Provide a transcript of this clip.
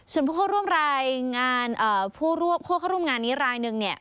ส่วนผู้เข้าร่วมงานนี้รายหนึ่งเนี่ย